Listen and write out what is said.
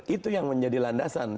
itu yang menjadi landasan